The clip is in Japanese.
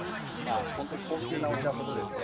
◆本当に高級なお茶ほどですね